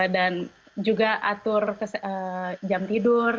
dan juga atur jam tidur